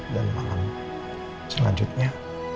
dan malam selanjutnya